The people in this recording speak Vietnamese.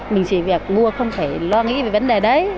mình chỉ việc mua không thể lo nghĩ về vấn đề đấy